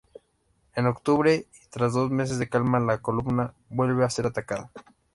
En octubre, y tras dos meses de calma, la columna vuelve a ser atacada.